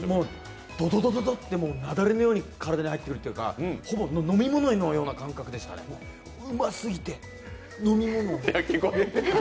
ドドドドドッて雪崩のように体に入ってくるというかほぼ飲み物のような感覚でしたね、うますぎて、飲み物。